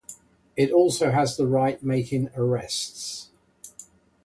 It also has the right making arrests.